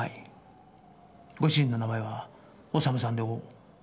ご主人の名前は治さんで「Ｏ」。